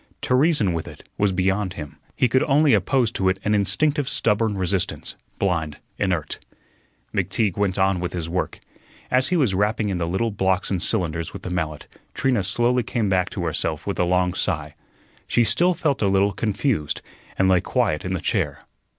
To reason with it was beyond him. He could only oppose to it an instinctive stubborn resistance, blind, inert. McTeague went on with his work. As he was rapping in the little blocks and cylinders with the mallet, Trina slowly came back to herself with a long sigh. She still felt a little confused, and lay quiet in the chair.